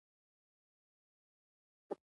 د فکري مالکیت حق یې خوندي کړي.